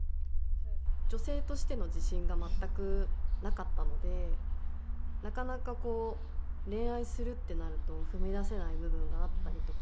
女性としての自信が全くなかったので、なかなか恋愛するってなると、踏み出せない部分があったりとか。